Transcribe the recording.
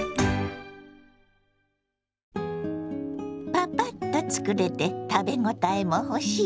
パパッと作れて食べ応えもほしい。